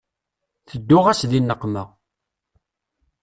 Tedduɣ-as di nneqma.